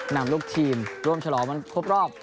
นำลูกทีมร่วมฉลองวันครบรอบ